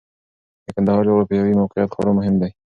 د کندهار جغرافیايي موقعیت خورا مهم دی.